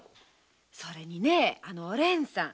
それにあのおれんさん